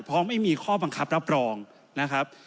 เพราะไม่มีข้อบังคับรับรองนะครับ